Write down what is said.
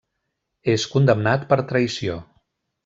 És condemnat per traïció.